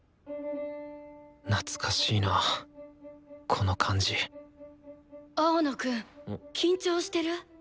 懐かしいなこの感じ青野くん緊張してる？